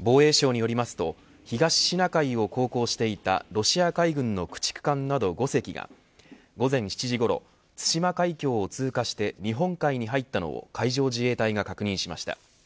防衛省によりますと東シナ海を航行していたロシア海軍の駆逐艦など５隻が午前７時ごろ対馬海峡を通過し日本海に入ったのを海上自衛隊が確認しました。